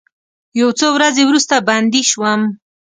یو څو ورځې وروسته بندي شوم.